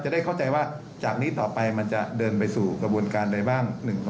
ได้เข้าใจว่าจากนี้ต่อไปมันจะเดินไปสู่กระบวนการใดบ้าง